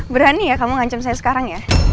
berani ya kamu ngancam saya sekarang ya